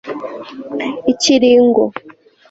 ikiringo